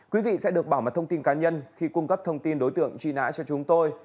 quý vị sẽ được bảo mật thông tin cá nhân khi cung cấp thông tin đối tượng truy nã cho chúng tôi